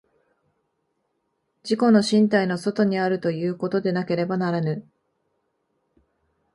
自己の身体の外にあるということでなければならぬ。